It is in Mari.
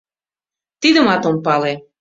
— Тидымат ом пале.